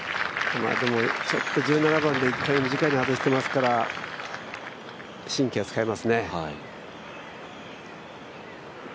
ちょっと１７番で１回短いのを外してますから、神経は使いますね。